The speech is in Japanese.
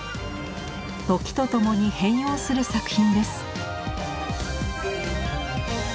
時とともに変容する作品です。